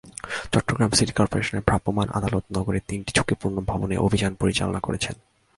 Chittagong city করপোরেশনের ভ্রাম্যমাণ আদালত নগরের তিনটি ঝুঁকিপূর্ণ ভবনে অভিযান পরিচালনা করেছেন।